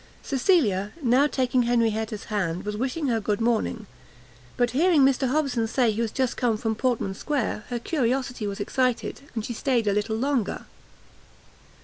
Cecilia now, taking Henrietta's hand, was wishing her good morning; but hearing Mr Hobson say he was just come from Portman square, her curiosity was excited, and she stayed a little longer.